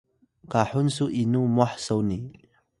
kahun su inu mwah soni?